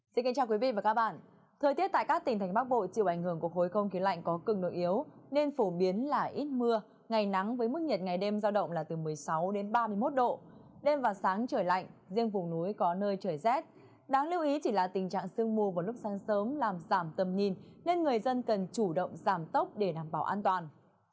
xin kính chào quý vị và các bạn